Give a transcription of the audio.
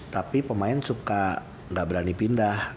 tapi pemain suka nggak berani pindah